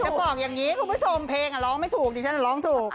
จะบอกอย่างนี้คุณผู้ชมเพลงร้องไม่ถูกดิฉันร้องถูก